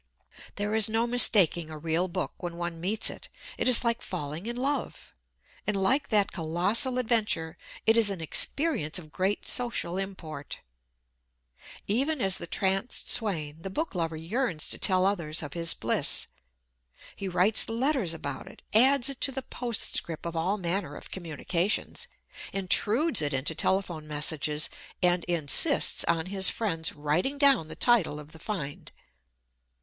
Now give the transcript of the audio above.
There is no mistaking a real book when one meets it. It is like falling in love, and like that colossal adventure it is an experience of great social import. Even as the tranced swain, the book lover yearns to tell others of his bliss. He writes letters about it, adds it to the postscript of all manner of communications, intrudes it into telephone messages, and insists on his friends writing down the title of the find.